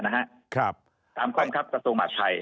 ตามความคับกับตรวจส่วนหมาตรภัย